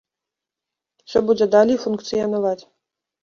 Усё будзе далей функцыянаваць.